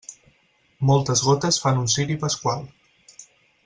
Moltes gotes fan un ciri pasqual.